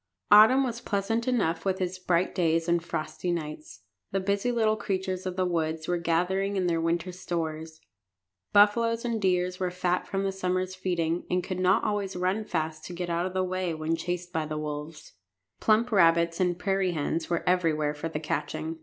Autumn was pleasant enough with its bright days and frosty nights. The busy little creatures of the woods were gathering in their winter stores. Buffaloes and deer were fat from their summer's feeding, and could not always run fast to get out of the way when chased by the wolves. Plump rabbits and prairie hens were everywhere for the catching.